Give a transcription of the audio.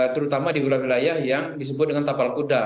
terutama di wilayah wilayah yang disebut dengan tapal kuda